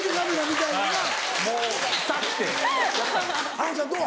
あのちゃんどう？